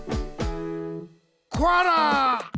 コアラ！